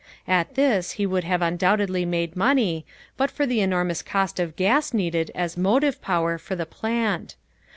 At this he would have undoubtedly made money but for the enormous cost of gas needed as motive power for the plant.